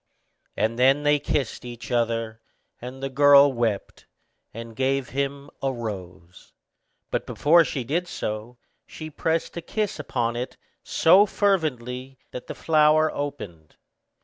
And then they kissed each other, and the girl wept, and gave him a rose; but before she did so, she pressed a kiss upon it so fervently that the flower opened.